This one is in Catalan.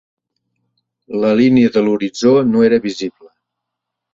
La línia de l'horitzó no era visible.